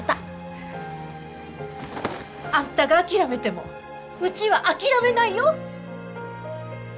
あんたが諦めてもうちは諦めないよ！